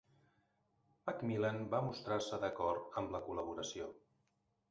McMillan va mostrar-se d'acord amb la col·laboració.